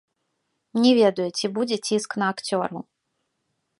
Не ведаю, ці будзе ціск на акцёраў.